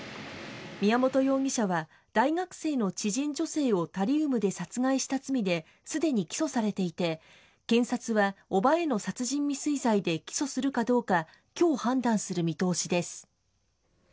宮本容疑者は大学生の知人女性をタリウムで殺害した罪ですでに起訴されていて検察は叔母への殺人未遂罪で起訴するかどうか今日判断する見通しです。